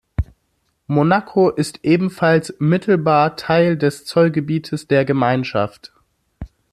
Monaco ist ebenfalls mittelbar Teil des Zollgebietes der Gemeinschaft.